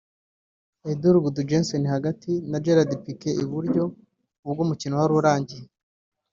Eidur Gudjohnsen (hagati) na Gerard Pique (iburyo) ubwo umukino wari urangiye